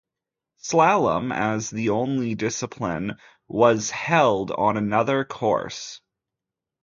Slalom as the only discipline was held on another course.